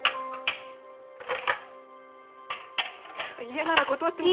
嫌なら断っても。